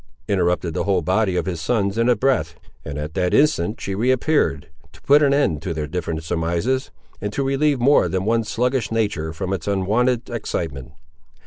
interrupted the whole body of his sons in a breath; and at that instant she re appeared to put an end to their different surmises, and to relieve more than one sluggish nature from its unwonted excitement.